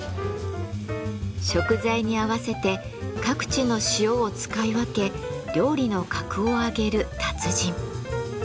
食材に合わせて各地の塩を使い分け料理の格を上げる達人。